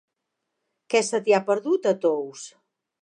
Què se t'hi ha perdut, a Tous?